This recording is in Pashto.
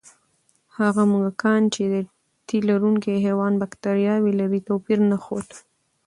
هغه موږکان چې د تیلرونکي حیوان بکتریاوې لري، توپیر نه ښود.